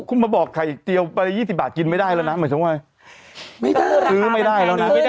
คุณมาบอกไข่เจียวประมาณ๒๐บาทกินไม่ได้แล้วนะหมายถึงว่าซื้อไม่ได้แล้วนะไม่ได้